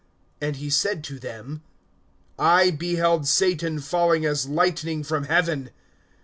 (18)And he said to them: I beheld Satan fall as lightning from heaven.